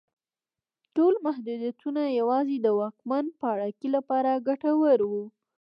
ټول محدودیتونه یوازې د واکمن پاړکي لپاره ګټور وو.